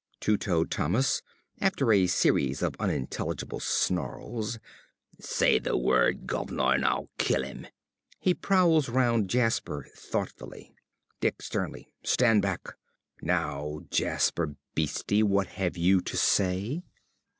~Two toed Thomas~ (after a series of unintelligible snarls). Say the word, guv'nor, and I'll kill him. (He prowls round Jasper thoughtfully.) ~Dick~ (sternly). Stand back! Now, Jasper Beeste, what have you to say?